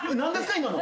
今の。